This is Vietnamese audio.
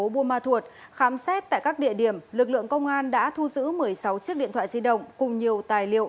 buôn ma thuột khám xét tại các địa điểm lực lượng công an đã thu giữ một mươi sáu chiếc điện thoại di động cùng nhiều tài liệu